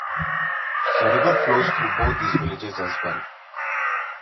The river flows through both these villages as well.